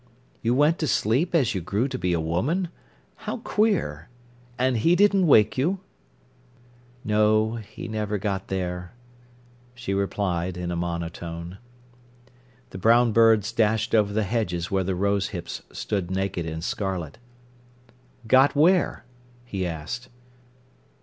"You went to sleep as you grew to be a woman? How queer! And he didn't wake you?" "No; he never got there," she replied, in a monotone. The brown birds dashed over the hedges where the rose hips stood naked and scarlet. "Got where?" he asked.